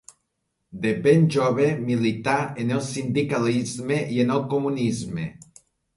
De ben jove milità en el sindicalisme i en el comunisme.